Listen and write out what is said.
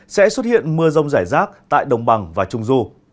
sẽ xuất hiện mưa rông rải rác tại đồng bằng và trung du